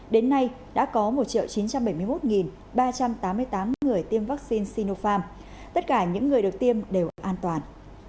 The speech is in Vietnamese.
đến nay đã có một chín trăm bảy mươi một ba trăm tám mươi tám người tiêm vaccine sinofarm tất cả những người được tiêm đều an toàn